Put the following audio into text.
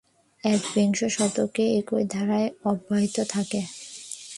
একবিংশ শতকে একই ধারা অব্যাহত থাকে।